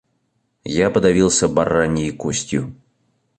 Я подавился бараньей костью.